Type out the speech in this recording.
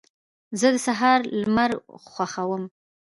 زه د سهار لمر خوښوم.